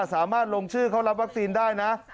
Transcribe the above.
สามารถลงชื่อเขารับวัคซีนได้นะ